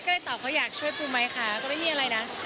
ก็เลยตอบเขาอยากช่วยปูไหมคะก็ไม่มีอะไรนะ